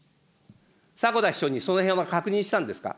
迫田秘書にそのへんは確認したんですか。